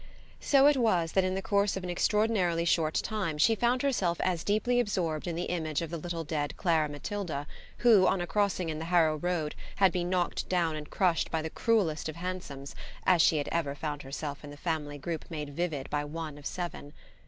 So it was that in the course of an extraordinarily short time she found herself as deeply absorbed in the image of the little dead Clara Matilda, who, on a crossing in the Harrow Road, had been knocked down and crushed by the cruellest of hansoms, as she had ever found herself in the family group made vivid by one of seven.